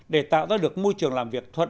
để tạo ra được môi trường làm việc hợp đồng